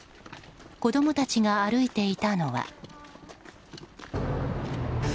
子供たちが歩いていたのは。